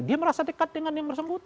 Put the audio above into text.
dia merasa dekat dengan yang bersangkutan